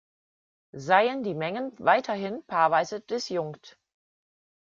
Seien die Mengen weiterhin paarweise disjunkt.